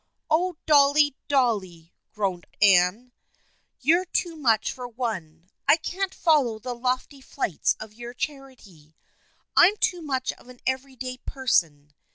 " Oh, Dolly, Dolly !" groaned Anne. " You're too much for one. I can't follow the lofty flights of your charity. I'm too much of an every day person.